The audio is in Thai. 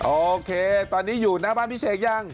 โอเคตอนนี้อยู่หน้าบ้านพี่เสกยัง